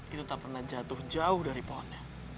itu tak pernah jatuh jauh dari pohonnya